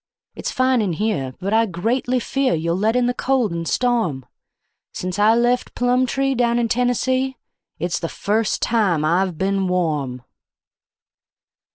It's fine in here, but I greatly fear you'll let in the cold and storm Since I left Plumtree, down in Tennessee, it's the first time I've been warm."